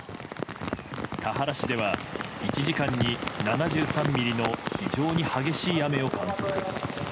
田原市では１時間に７３ミリの非常に激しい雨を観測。